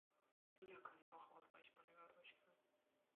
Spieler können auch Ausweichmanöver durchführen.